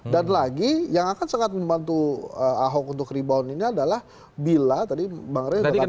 dan lagi yang akan sangat membantu ahok untuk rebound ini adalah bila tadi bang rene katakan